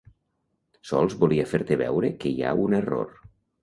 Sols volia fer-te veure que hi ha un error.